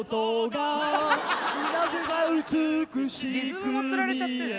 リズムもつられちゃってる